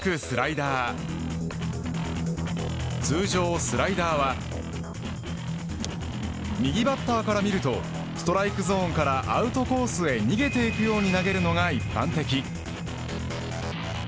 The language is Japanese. スライダー通常スライダーは右バッターから見るとストライクゾーンからアウトコースへ逃げていくように投げるのが一般的。